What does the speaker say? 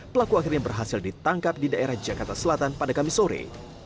pelaku akhirnya berhasil ditangkap di daerah jakarta selatan pada kamis sore